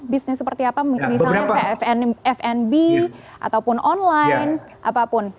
bisnis seperti apa misalnya kayak fnb ataupun online apapun